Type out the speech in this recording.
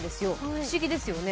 不思議ですよね。